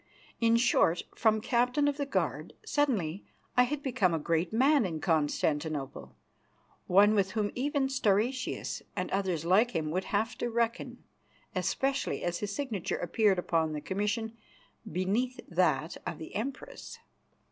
In short, from captain of the guard, suddenly I had become a great man in Constantinople, one with whom even Stauracius and others like him would have to reckon, especially as his signature appeared upon the commission beneath that of the Empress.